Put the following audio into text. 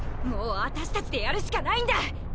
もうアタシ達でやるしかないんだ！